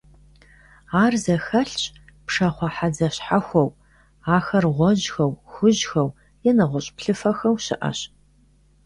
Ар зэхэлъщ пшахъуэ хьэдзэ щхьэхуэхэу, ахэр гъуэжьхэу, хужьхэу е нэгъуэщӀ плъыфэхэу щыӀэщ.